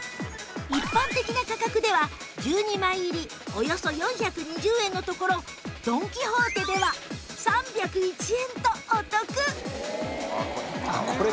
一般的な価格では１２枚入りおよそ４２０円のところドン・キホーテでは３０１円とお得